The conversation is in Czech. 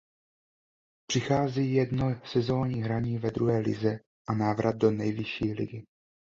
Přichází jedno sezonní hraní ve druhé lize a návrat do nejvyšší ligy.